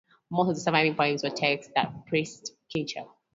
Most of his surviving poems were texts that praised King Olaf.